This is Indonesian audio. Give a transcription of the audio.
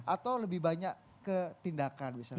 atau lebih banyak ke tindakan misalnya